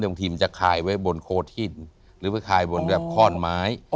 เดี๋ยวมันจะคลายไว้บนโคทินหรือว่าคลายบนแบบข้อนไม้อ๋อ